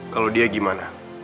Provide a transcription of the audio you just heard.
kalau dia gimana